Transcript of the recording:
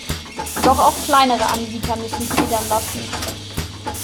Doch auch kleinere Anbieter müssen Federn lassen.